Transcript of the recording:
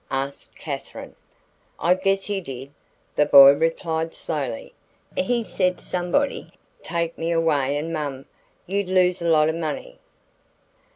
asked Katherine. "I guess he did," the boy replied slowly. "He said somebody'd take me away and Mom 'u'd lose a lot o' money."